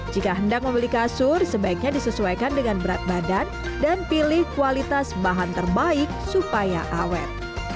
jika hendak membeli kasur sebaiknya disesuaikan dengan berat badan dan pilih kualitas bahan terbaik supaya awet